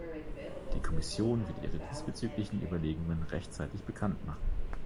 Die Kommission wird ihre diesbezüglichen Überlegungen rechtzeitig bekanntmachen.